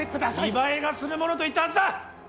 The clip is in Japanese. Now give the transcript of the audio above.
見栄えがする者と言ったはずだ！